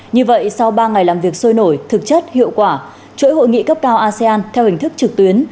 như vậy sau ba ngày làm việc sôi nổi thực chất hiệu quả chuỗi hội nghị cấp cao asean theo hình thức trực tuyến